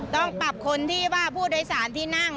ต้องปรับคนที่ว่าผู้โดยสารที่นั่ง